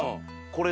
これ。